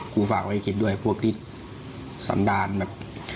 ฝากไว้คิดด้วยพวกที่สันดารแบบ